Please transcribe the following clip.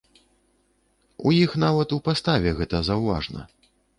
У іх нават у паставе гэта заўважна.